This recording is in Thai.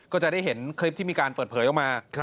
ก็จะได้เห็นคลิปที่มีการเปิดเผยออกมา